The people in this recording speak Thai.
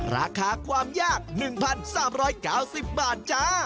ราคาความยาก๑๓๙๐บาทจ้า